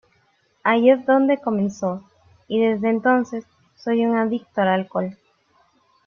Ahí es donde comenzó, y desde entonces soy un adicto al alcohol".